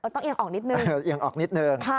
ต้องเอียงออกนิดนึง